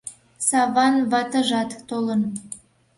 Саван ватыжат толын.